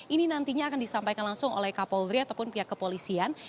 ini nantinya akan disampaikan langsung oleh kapolri ataupun pihak kepolisian